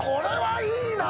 いいなあ。